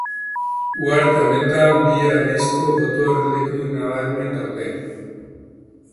Uharte honetan bi harrizko gotorleku nabarmen daude.